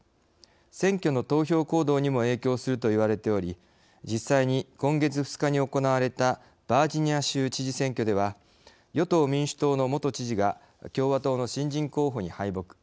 選挙の投票行動にも影響するといわれており実際に今月２日に行われたバージニア州知事選挙では与党民主党の元知事が共和党の新人候補に敗北。